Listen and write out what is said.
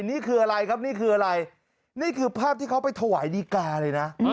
นี่คืออะไรครับนี่คือภาพที่เขาไปถวายดีกาเลยนะ